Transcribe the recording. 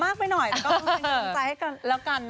มักไปหน่อยและก็ทำเป็นกำลังใจให้กันแล้วกัน